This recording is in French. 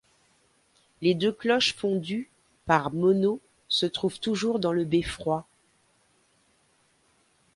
Les deux cloches fondues par Monaux se trouvent toujours dans le beffroi.